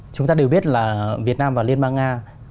chúng ta đều biết là việt nam và liên bang nga